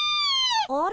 あれ？